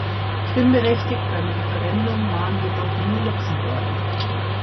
Stimmberechtigt beim Referendum waren jedoch nur Luxemburger.